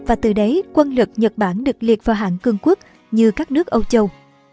và từ đấy quân lực nhật bản được liệt vào hạng cương quốc như các nước âu châu